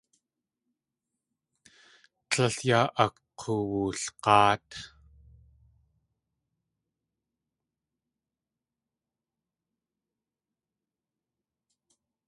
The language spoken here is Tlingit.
Tlél yaa ak̲uwulg̲áat.